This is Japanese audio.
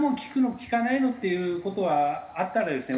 効かないの？」っていう事はあったらですね